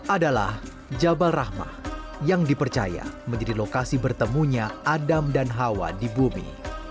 adalah jabal rahmah yang dipercaya menjadi lokasi bertemunya adam dan hawa di bumi